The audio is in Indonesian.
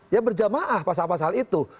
ya berjamaah pasal pasal itu